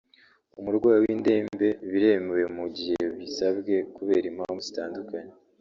umurwayi w’indembe biremewe mu gihe bisabwe kubera impamvu zitandukanye